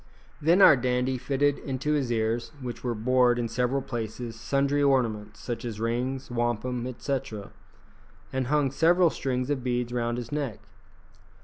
Then our dandy fitted into his ears, which were bored in several places, sundry ornaments, such as rings, wampum, etc., and hung several strings of beads round his neck.